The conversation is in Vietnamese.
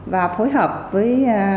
và phối hợp với